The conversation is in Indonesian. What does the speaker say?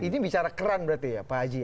ini bicara keran berarti ya pak haji